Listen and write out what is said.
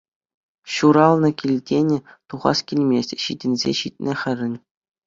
Ҫуралнӑ килтен тухас килмест ҫитӗнсе ҫитнӗ хӗрӗн.